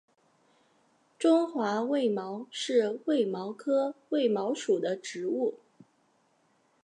中华卫矛是卫矛科卫矛属的植物。